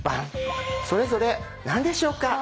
それぞれ何でしょうか？